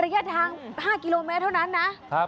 ระยะทาง๕กิโลเมตรเท่านั้นนะ